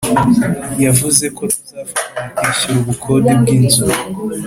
Yavuze ko tuzafatanya kwishyura ubukode bw’inzu